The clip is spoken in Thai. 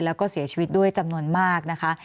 แล้วก็เสียชีวิตด้วยจำนวนมากนะคะ